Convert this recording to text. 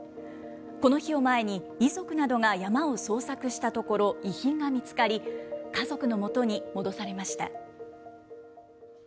この日を前に、遺族などが山を捜索したところ、遺品が見つかり、家族のもとに戻されました。